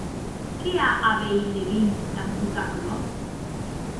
Qué a a veir Levin damb tot aquerò?